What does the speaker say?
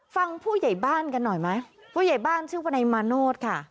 ฟังผู้ใหญ่บ้านกันหน่อยไหมผู้ใหญ่บ้านชื่อวนายมาโนธค่ะ